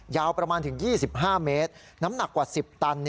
ยาวประมาณถึง๒๕เมตรน้ำหนักกว่า๑๐ตัน